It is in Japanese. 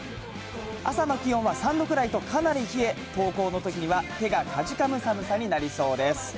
朝の気温は３度くらいとかなり冷え、登校のときには手がかじかむ寒さになりそうです。